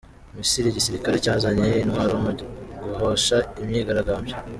Misiri Igisirkare cyazanye intwaro mu guhosha imyigaragambyo